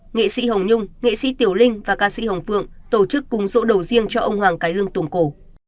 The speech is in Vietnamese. nghệ sĩ hồng nhung nghệ sĩ tiểu linh và ca sĩ hồng phượng tổ chức cúng dỗ đầu riêng cho ông hoàng cái lương tổng cổ